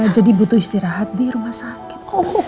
jadi butuh istirahat di rumah sakit